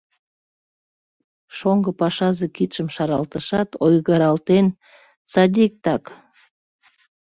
Шоҥго пашазе кидшым шаралтышат, ойгыралтен: — Садиктак...